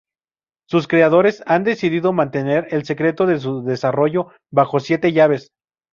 Sus creadores han decidido mantener el secreto de su desarrollo bajo siete llaves.